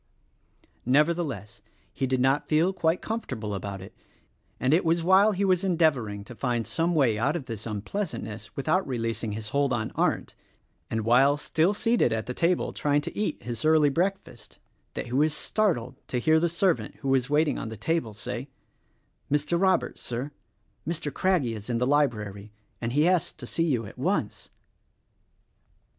■ Nevertheless, he did not feel quite comfortable about it; and it was while he was endeavoring to find some way out of this unpleasantness without releasing his hold on Arndt — and while still seated at the table trying to eat his early breakfast — that he was startled to hear the servant who was waiting on the table say: "Mr. Robert, Sir! Mr. Craggie is in the library, and asks to see you at once."